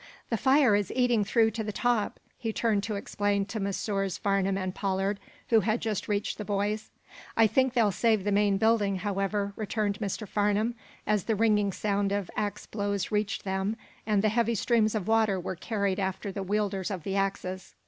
"The fire is eating through to the top," he turned to explain to Messrs. Farnum and Pollard, who had just reached the boys. "I think they'll save the main building, however," returned Mr. Farnum, as the ringing sound of ax blows reached them and the heavy streams of water were carried after the wielders of the axes.